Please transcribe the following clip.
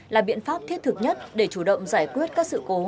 là biện pháp thiết thực nhất để chủ động giải quyết các sự cố